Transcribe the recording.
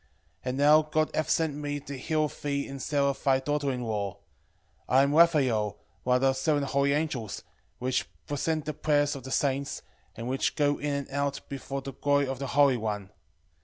12:14 And now God hath sent me to heal thee and Sara thy daughter in law. 12:15 I am Raphael, one of the seven holy angels, which present the prayers of the saints, and which go in and out before the glory of the Holy One.